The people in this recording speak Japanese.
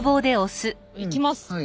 いきます。